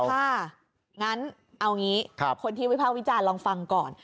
ถ้างั้นเอางี้คนที่วิภาควิจารณ์ลองฟังก่อน